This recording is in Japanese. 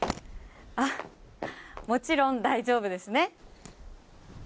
もちろん大丈夫ですね。